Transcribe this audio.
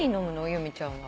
由美ちゃんは。